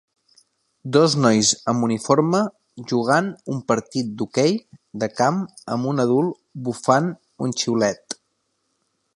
Dos nois amb uniforme jugant un partit d'hoquei de camp amb un adult bufant un xiulet.